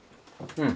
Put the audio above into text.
うん。